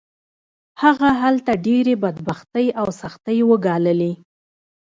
هغه هلته ډېرې بدبختۍ او سختۍ وګاللې